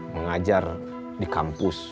mengajar di kampus